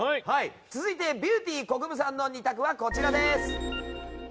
続いてビューティーこくぶさんの２択はこちらです。